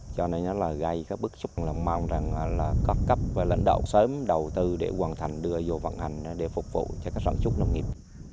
cho nên nó là gây các bước chúc mong mong rằng là cấp cấp và lãnh đạo sớm đầu tư để hoàn thành đưa vô vận hành để phục vụ cho các sản xuất nông nghiệp